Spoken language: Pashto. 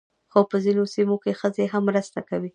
خو په ځینو سیمو کې ښځې هم مرسته کوي.